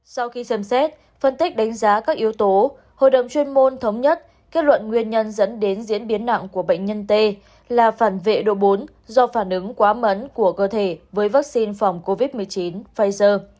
sau khi xem xét phân tích đánh giá các yếu tố hội đồng chuyên môn thống nhất kết luận nguyên nhân dẫn đến diễn biến nặng của bệnh nhân t là phản vệ độ bốn do phản ứng quá mấn của cơ thể với vaccine phòng covid một mươi chín pfizer